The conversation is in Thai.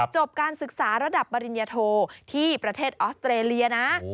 จบการศึกษาระดับปริญญโทที่ประเทศออสเตรเลียนะ